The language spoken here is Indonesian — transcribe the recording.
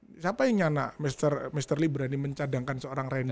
siapa yang nyana mr lee berani mencadangkan seorang reinhar